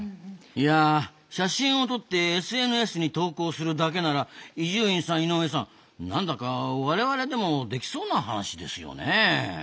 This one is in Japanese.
いや写真を撮ってＳＮＳに投稿するだけなら伊集院さん井上さん何だか我々でもできそうな話ですよねえ。